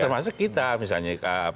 termasuk kita misalnya